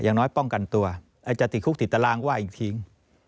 อย่างน้อยป้องกันตัวจะติดคุกติดตารางว่าอีกที